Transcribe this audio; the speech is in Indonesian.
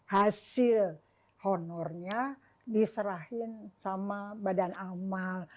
katanya uang hasil honor nya diserahkan pada badan amal